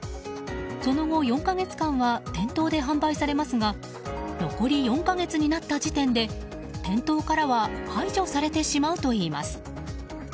その後４か月間は店頭で販売されますが残り４か月になった時点で店頭からは排除されてしまうといいます。